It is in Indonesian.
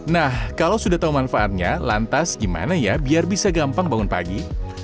nah kalau sudah tahu manfaatnya lantas gimana ya biar bisa gampang bangun pagi